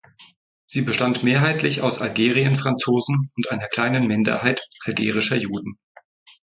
Sie bestand mehrheitlich aus Algerienfranzosen und einer kleinen Minderheit algerischer Juden.